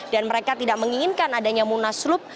dan mereka tidak menginginkan adanya munaslup